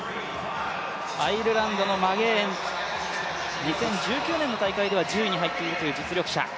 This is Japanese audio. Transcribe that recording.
アイルランドのマゲエン、２０１９年の大会では１９位に入っている実力者。